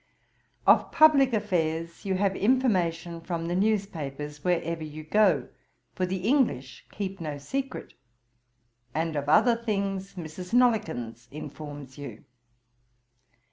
'Of publick affairs you have information from the news papers wherever you go, for the English keep no secret; and of other things, Mrs. Nollekens informs you.